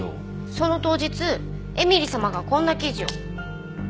その当日絵美里様がこんな記事を。